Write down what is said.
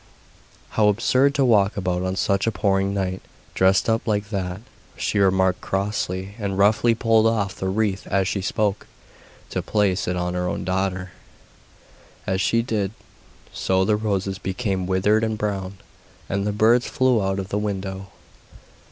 'How absurd to walk about on such a pouring night, dressed up like that,' she remarked crossly, and roughly pulled off the wreath as she spoke, to place it on her own daughter. As she did so the roses became withered and brown, and the birds flew out of the window.